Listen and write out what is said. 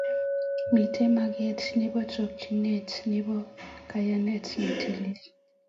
Mitei maget nebo chokchinet nebo kimnatet ne tilil